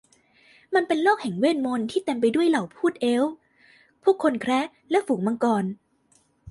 มันเป็นโลกแห่งเวทมนตร์ที่เต็มไปด้วยเหล่าภูตเอลฟ์ พวกคนแคระและฝูงมังกร